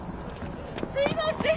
・すいません！